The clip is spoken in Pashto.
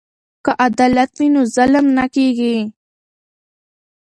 که عدالت وي نو ظلم نه کیږي.